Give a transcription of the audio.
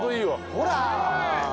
ほら！